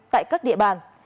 tại các địa bàn